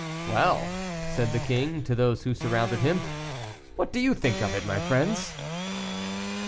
"Well!" said the king, to those who surrounded him, "what do you think of it, my friends?"